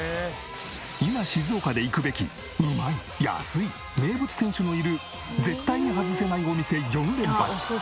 今静岡で行くべきうまい安い名物店主のいる絶対にハズせないお店４連発！